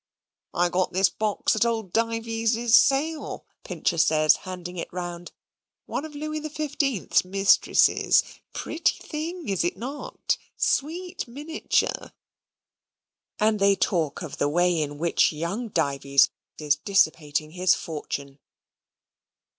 "I got this box at old Dives's sale," Pincher says, handing it round, "one of Louis XV's mistresses pretty thing, is it not? sweet miniature," and they talk of the way in which young Dives is dissipating his fortune.